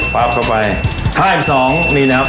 ปรับเข้าไป๕สองนี่นะครับ